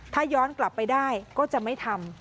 ถ้าย้อนกลับไปได้ก็จะไม่ทำ